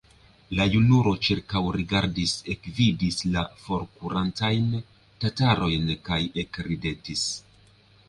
La junulo ĉirkaŭrigardis, ekvidis la forkurantajn tatarojn kaj ekridetis.